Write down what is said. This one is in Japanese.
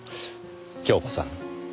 恭子さん